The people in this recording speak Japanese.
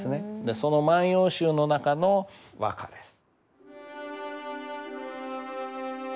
その「万葉集」の中の和歌です。